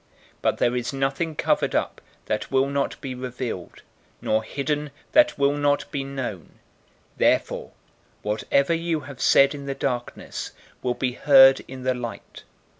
012:002 But there is nothing covered up, that will not be revealed, nor hidden, that will not be known. 012:003 Therefore whatever you have said in the darkness will be heard in the light.